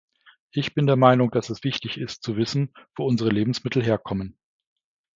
Ich bin der Meinung, dass es wichtig ist, zu wissen, wo unsere Lebensmittel herkommen.